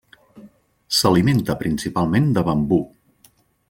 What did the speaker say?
S'alimenta principalment de bambú.